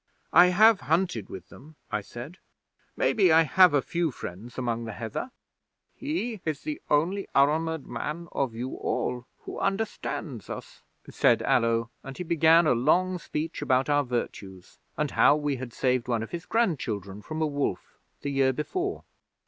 '"I have hunted with them," I said. "Maybe I have a few friends among the Heather." '"He is the only armoured man of you all who understands us," said Allo, and he began a long speech about our virtues, and how we had saved one of his grandchildren from a wolf the year before.'